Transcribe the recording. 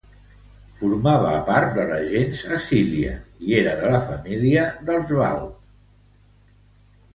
Formava part de la gens Acília i era de la família dels Balb.